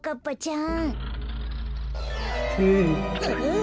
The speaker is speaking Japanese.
ん？